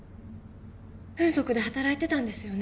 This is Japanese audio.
風俗で働いてたんですよね？